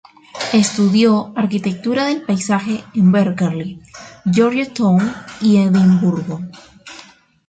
Estudió arquitectura del paisaje en Berkeley, Georgetown y Edimburgo.